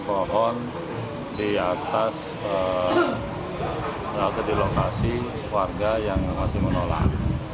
pohon di atas atau di lokasi warga yang masih menolak